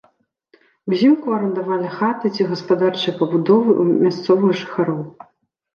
Узімку арандавалі хаты ці гаспадарчыя пабудовы ў мясцовых жыхароў.